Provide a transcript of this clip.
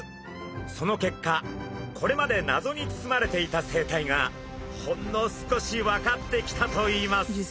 その結果これまで謎に包まれていた生態がほんの少し分かってきたといいます。